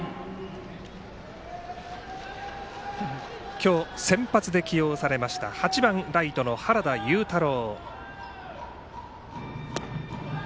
今日先発で起用されました８番、ライトの原田悠太郎。